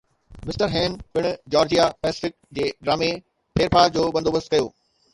mister هيئن پڻ Georgia Pacific جي ڊرامائي ڦيرڦار جو بندوبست ڪيو